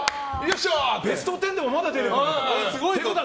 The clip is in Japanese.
ベスト１０でもまだ出てこない。